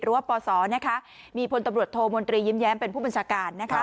ว่าปศมีพลตำรวจโทมนตรียิ้มแย้มเป็นผู้บัญชาการ